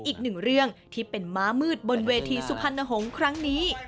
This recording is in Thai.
อีกหนึ่งเรื่องที่เป็นม้ามืดบนเวทีสุพรรณหงษ์ครั้งนี้